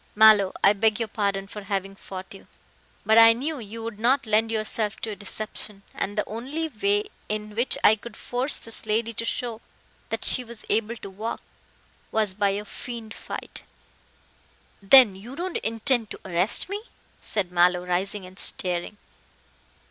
"Mallow, I beg your pardon for having fought you, but I knew you would not lend yourself to a deception, and the only way in which I could force this lady to show that she was able to walk was by a feigned fight." "Then you don't intend to arrest me?" said Mallow, rising and staring.